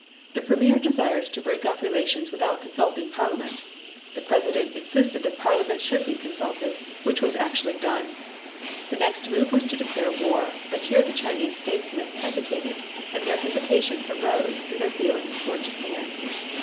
The Premier desired to break off relations without consulting Parliament. The President insisted that Parliament should be consulted, which was actually done. The next move was to declare war, but here the Chinese statesmen hesitated, and their hesitation arose through their feeling toward Japan.